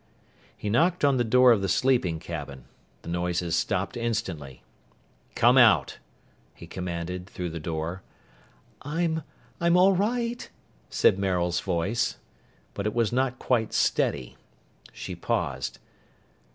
He knocked on the door of the sleeping cabin. The noises stopped instantly. "Come out," he commanded through the door. "I'm I'm all right," said Maril's voice. But it was not quite steady. She paused.